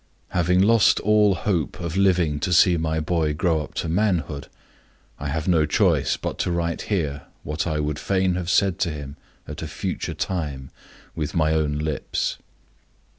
Having lost all hope of living to see my boy grow up to manhood, I have no choice but to write here what I would fain have said to him at a future time with my own lips.